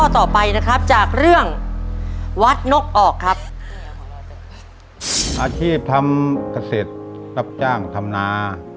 ต่อไปนะครับจากเรื่องวัดนกออกครับอาชีพทำเกษตรรับจ้างทำนา